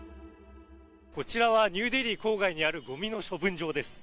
こちらはニューデリー郊外にあるゴミの処分場です。